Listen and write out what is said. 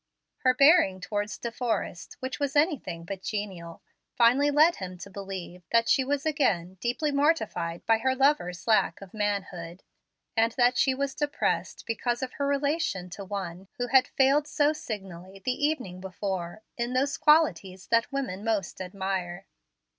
Her bearing towards De Forrest, which was anything but genial, finally led him to believe that she was again deeply mortified by her lover's lack of manhood, and that she was depressed because of her relation to one who had failed so signally, the evening before, in those qualities that women most admire.